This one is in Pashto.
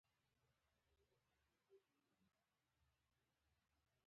او په دې توګه هرڅه پیل شول